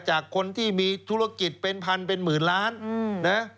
จากคนที่มีธุรกิจเป็นพันเป็นหมื่นล้านนะ